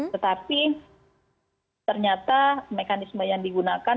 tetapi ternyata mekanisme yang digunakan